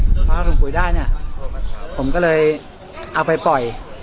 พอเอาถุงปุ๋ยได้เนี่ยผมก็เลยเอาไปปล่อย